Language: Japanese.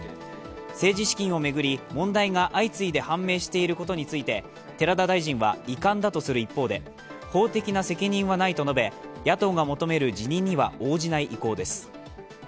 政治資金を巡り、問題が相次いで判明していることについて寺田大臣は遺憾だとする一方で、法的な責任はないと述べ野党が求める辞任には応じない意向です。